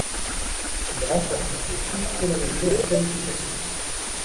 Il remporte le tour chronométré en qualifications.